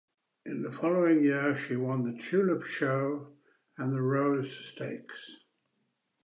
In the following year she won the Tulip Sho and the Rose Stakes.